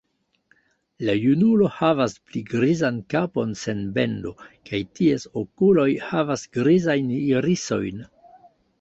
La junulo havas pli grizan kapon sen bendo kaj ties okuloj havas grizajn irisojn.